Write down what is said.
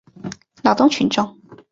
劳动群众。